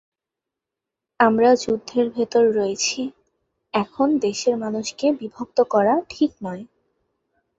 আমরা যুদ্ধের ভেতর রয়েছি, এখন দেশের মানুষকে বিভক্ত করা ঠিক নয়।